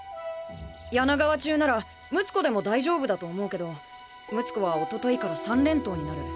柳川中なら睦子でも大丈夫だと思うけど睦子はおとといから３連投になる。